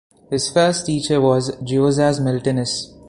His first teacher was Juozas Miltinis.